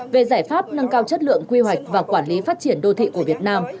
về giải pháp nâng cao chất lượng quy hoạch và quản lý phát triển đô thị của việt nam